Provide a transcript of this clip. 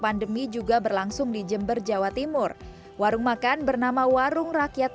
pandemi juga berlangsung di jember jawa timur warung makan bernama warung rakyat